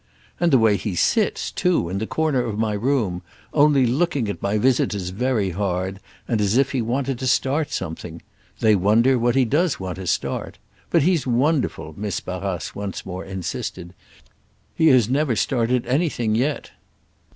"And the way he sits, too, in the corner of my room, only looking at my visitors very hard and as if he wanted to start something! They wonder what he does want to start. But he's wonderful," Miss Barrace once more insisted. "He has never started anything yet."